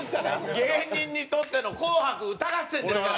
芸人にとっての『紅白歌合戦』ですから。